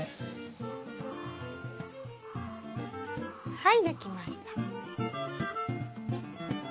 はいできました。